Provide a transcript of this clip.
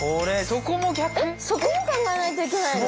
そこも考えないといけないの？